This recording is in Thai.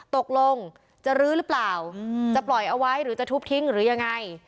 ตกลงจะลื้อหรือเปล่าจะปล่อยเอาไว้หรือจะทุบทิ้งหรือยังไง